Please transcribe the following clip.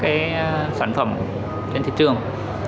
các sản phẩm trên thị trường